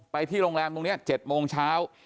ที่โรงแรมตรงนี้๗โมงเช้า